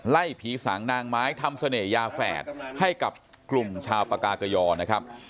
ไล่ผีสางนางไม้ทำเสน่หยาแฝดให้กับกลุ่มชาวปากากยอนะครับ